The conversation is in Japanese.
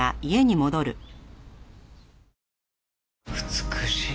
美しい。